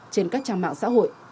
trên các trang mạng xã hội